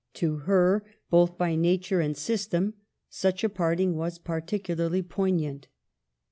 To her, both by nature and system, such a parting was particularly poignant.